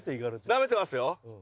なめてますよ。